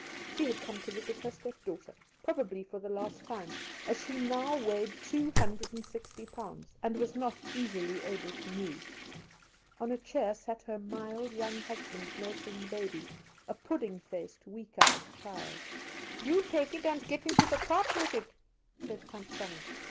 She had come to visit her stepdaughter, probably for the last time, as she now weighed two hundred and sixty pounds, and was not easily able to move. On a chair sat her mild young husband nursing the baby a pudding faced, weak eyed child. "You take it and get into the cart with it," said Tant Sannie.